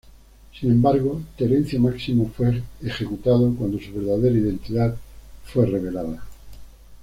Sin embargo, Terencio Máximo fue ejecutado cuando su verdadera identidad fue revelada.